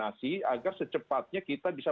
agar secepatnya kita bisa